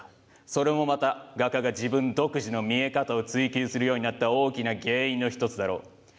それもまた、画家が自分独自の見え方を追求するようになった大きな原因の１つだろう。